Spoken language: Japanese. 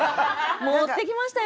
「持ってきましたよ！」